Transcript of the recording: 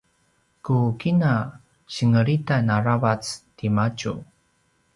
ku kina senglitan aravac timadju